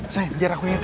sayang biar aku enter